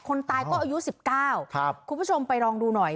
คนตายก็อายุสิบเก้าครับคุณผู้ชมไปลองดูหน่อย